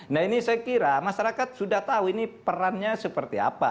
nah ini saya kira masyarakat sudah tahu ini perannya seperti apa